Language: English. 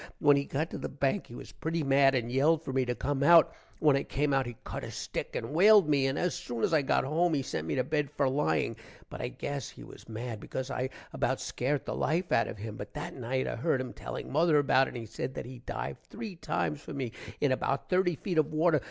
When he got to the bank he was pretty mad and yelled for me to come out. when i came out he cut a stick and whaled me, and as soon as i got home he sent me to bed for lying, but i gess he was mad becaus i about scart the life out of him. but that nite i heard him telling mother about it and he said that he div 3 times for me in about thirty feet of water.